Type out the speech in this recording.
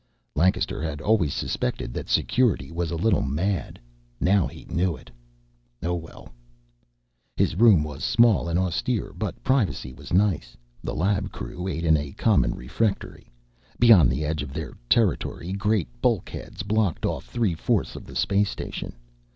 Lancaster had always suspected that Security was a little mad. Now he knew it. Oh, well His room was small and austere, but privacy was nice. The lab crew ate in a common refectory. Beyond the edge of their territory, great bulkheads blocked off three fourths of the space station.